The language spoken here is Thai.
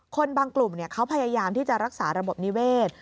บางกลุ่มเขาพยายามที่จะรักษาระบบนิเวศ